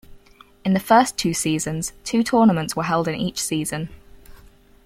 In the first two seasons, two tournaments were held in each season.